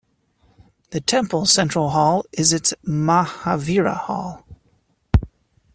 The temple's central hall is its Mahavira Hall.